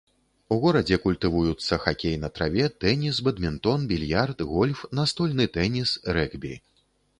У горадзе культывуюцца хакей на траве, тэніс, бадмінтон, більярд, гольф, настольны тэніс, рэгбі.